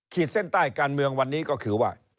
เส้นใต้การเมืองวันนี้ก็คือว่า